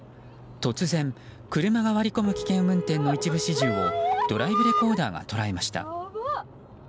突然、車が割り込む危険運転の一部始終をドライブレコーダーが捉えました。